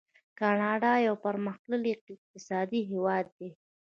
کاناډا یو پرمختللی اقتصادي هیواد دی.